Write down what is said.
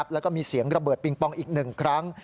แล้วก็มีเสียงระเบิดปิงปองอีก๑ครั้ง